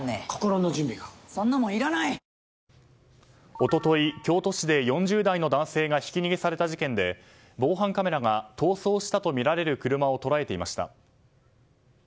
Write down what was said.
一昨日京都市で４０代の男性がひき逃げされた事件で防犯カメラが逃走したとみられる車を捉えていました。